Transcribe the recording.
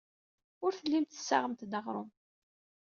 Ur tellimt tessaɣemt-d aɣrum.